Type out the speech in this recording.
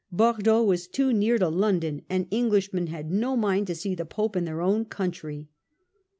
Bordeaux was too near to London, and Englishmen had no mind to see the Pope in their own country.